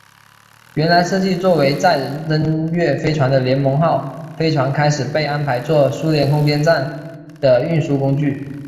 原来设计做为载人登月飞船的联盟号飞船开始被安排做苏联空间站的运输工具。